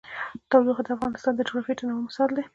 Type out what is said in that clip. تودوخه د افغانستان د جغرافیوي تنوع مثال دی.